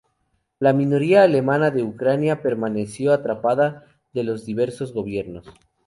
La minoría alemana de Ucrania permaneció apartada de los diversos gobiernos.